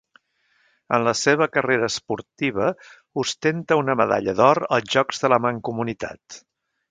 En la seva carrera esportiva ostenta una medalla d'or als Jocs de la Mancomunitat.